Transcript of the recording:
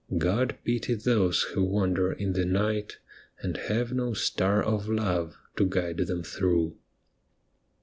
God pity those who wander in the night. And have no star of love to guide them through